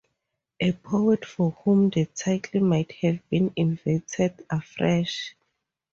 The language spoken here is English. A poet for whom the title might have been invented afresh.